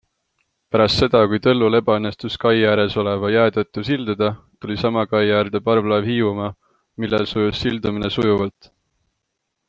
Pärast seda, kui Tõllul ebaõnnestus kai ääres oleva jää tõttu silduda, tuli sama kai äärde parvlaev Hiiumaa, millel sujus sildumine sujuvalt.